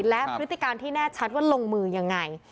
และพฤติการที่แน่ชัดว่าลงมือยังไง